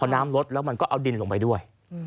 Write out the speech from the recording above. น้ำลดแล้วมันก็เอาดินลงไปด้วย